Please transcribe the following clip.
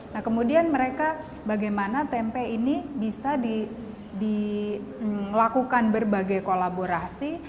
nah kemudian mereka bagaimana tempe ini bisa dilakukan berbagai kolaborasi